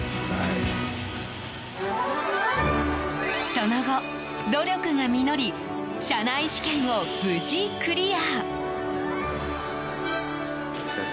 その後、努力が実り社内試験を無事クリア。